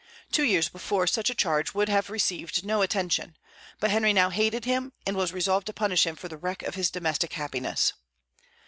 Two years before, such a charge would have received no attention; but Henry now hated him, and was resolved to punish him for the wreck of his domestic happiness.